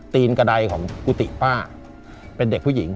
กระดายของกุฏิป้าเป็นเด็กผู้หญิง